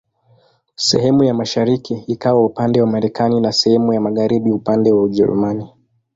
Sehemu ya mashariki ikawa upande wa Marekani na sehemu ya magharibi upande wa Ujerumani.